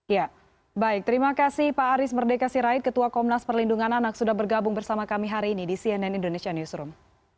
ya baik terima kasih pak aris merdeka sirait ketua komnas perlindungan anak sudah bergabung bersama kami hari ini di cnn indonesia newsroom